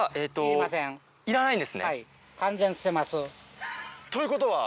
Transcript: いらないんですね。ということは？